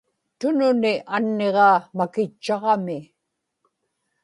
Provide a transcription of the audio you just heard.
tununi anniġaa makitchaġami